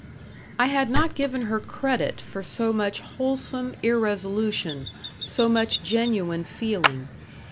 I had not given her credit for so much wholesome irresolution so much genuine feeling.